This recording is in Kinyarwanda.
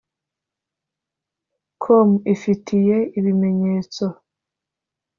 com ifitiye ibimenyetso